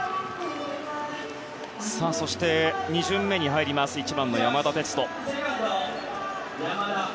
そして、２巡目に入ります１番の山田哲人。